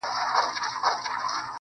هغوی سم تتلي دي خو بيرته سم راغلي نه دي_